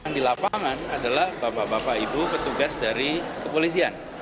di lapangan adalah bapak bapak ibu petugas dari kepolisian